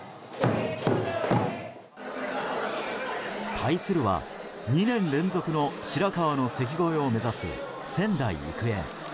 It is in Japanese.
対するは、２年連続の白河の関越えを目指す仙台育英。